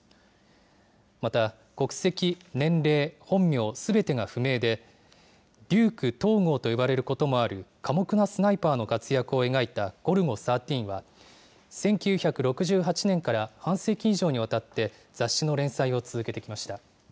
また、国籍、年齢、本名、すべてが不明で、デューク東郷と呼ばれることもある、寡黙なスナイパーの活躍を描いたゴルゴ１３は、１９６８年から半世紀以上にわたって、雑誌の連載を続けてきました。